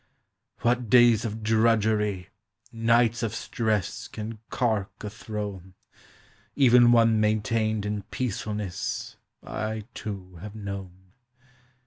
What days of drudgery, nights of stress Can cark a throne, Even one maintained in peacefulness, I too have known.